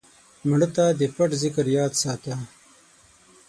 مړه ته د پټ ذکر یاد وساته